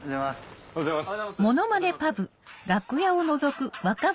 おはようございます。